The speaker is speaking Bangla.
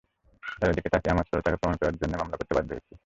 তাঁদের দিকে তাকিয়ে আমার সততাকে প্রমাণ করার জন্যই মামলা করতে বাধ্য হয়েছি।